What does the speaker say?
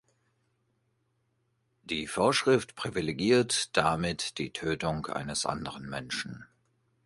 Die Vorschrift privilegiert damit die Tötung eines anderen Menschen.